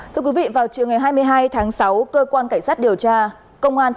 thưa quý vị vào chiều ngày hai mươi hai tháng sáu cơ quan cảnh sát điều tra